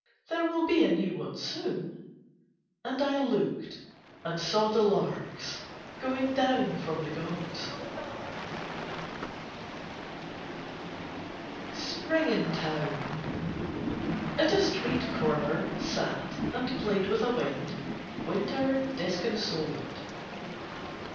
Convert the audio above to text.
"There will be a new one soon." And I looked and saw the larks, going down from the gods. SPRING IN TOWN At a street corner sat, and played with a wind, Winter disconsolate.